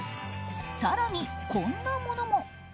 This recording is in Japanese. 更にこんなものも。